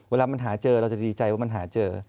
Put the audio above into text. เวลามันหาเจอเราจะดีใจว่ามันหาเจอ